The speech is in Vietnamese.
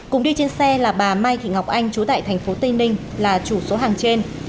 cùng đi trên xe là bà mai thị ngọc anh chú tại thành phố tây ninh là chủ số hàng trên